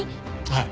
はい。